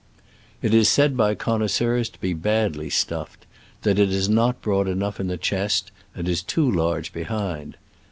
It is said by connoisseurs to be badly stuffed — ^that it is not broad enough in the chest and is too large behind.